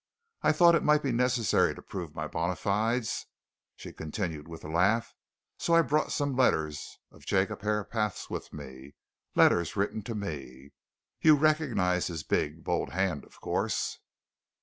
I thought it might be necessary to prove my bona fides," she continued, with a laugh, "so I brought some letters of Jacob Herapath's with me letters written to me you recognize his big, bold hand, of course."